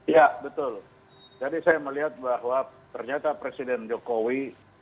ya betul jadi saya melihat bahwa ternyata presiden jokowi